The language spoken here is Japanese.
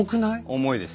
重いです。